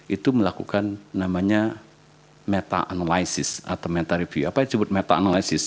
itu melakukan namanya meta analisis atau mentary view apa yang disebut meta analisis